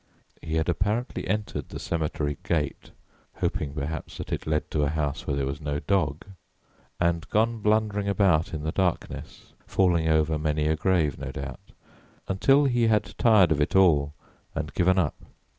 He had apparently entered the cemetery gate hoping, perhaps, that it led to a house where there was no dog and gone blundering about in the darkness, falling over many a grave, no doubt, until he had tired of it all and given up.